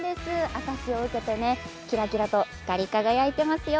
朝日を受けてキラキラと光り輝いていますよ。